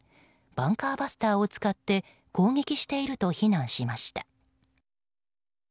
バンカーバスターを使って攻撃していると非難しました。